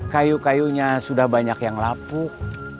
kayu kayunya sudah banyak yang lapuk